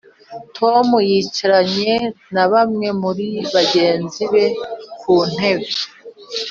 tom yicaranye na bamwe muri bagenzi be ku ntebe.